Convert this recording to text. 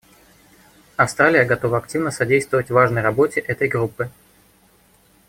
Австралия готова активно содействовать важной работе этой группы.